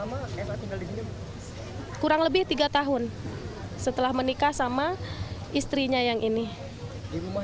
kepala lingkungan lima kelurahan belawan satu menyatakan rumah yang digeledah